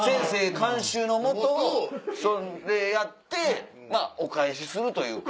監修の下それやってお返しするというか。